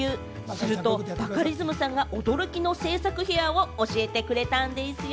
するとバカリズムさんが、驚きの制作秘話を教えてくれたんでぃすよ。